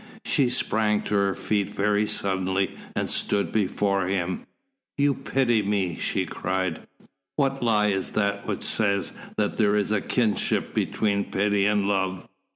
She sprang to her feet very suddenly and stood before him. "You pity me!" she cried. "What lie is that which says that there is a kinship between pity and love?